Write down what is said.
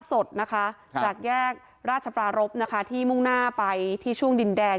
สดนะคะจากแยกราชปรารบนะคะที่มุ่งหน้าไปที่ช่วงดินแดง